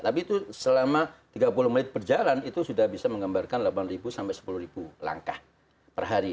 tapi itu selama tiga puluh menit berjalan itu sudah bisa menggambarkan delapan sampai sepuluh langkah per hari